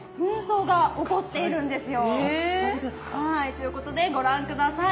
ということでご覧下さい。